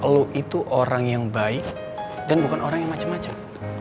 lo itu orang yang baik dan bukan orang yang macem macem